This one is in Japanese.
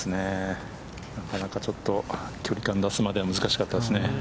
なかなか距離感を出すまでは難しかったですね。